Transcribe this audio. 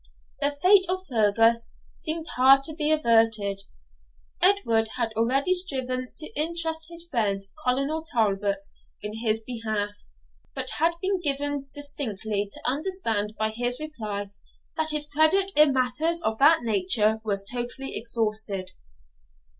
The fate of Fergus seemed hard to be averted. Edward had already striven to interest his friend, Colonel Talbot, in his behalf; but had been given distinctly to understand by his reply that his credit in matters of that nature was totally exhausted.